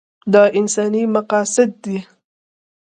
دا انساني مقاصد ده.